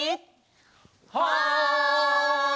はい！